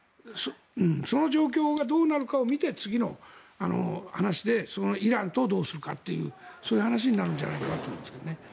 その状況がどうなるかを見て次の話でイランとどうするかというそういう話になるんじゃないかと思いますがね。